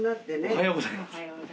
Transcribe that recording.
おはようございます。